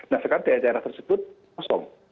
nah sekarang daerah daerah tersebut kosong